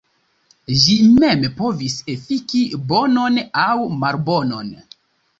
Ĝi mem povis efiki bonon aŭ malbonon.